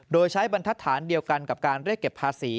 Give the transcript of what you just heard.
โดยใช้บรรทัศน์เดียวกันกับการเรียกเก็บภาษี